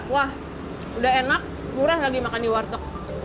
wah udah enak murah lagi makan di warteg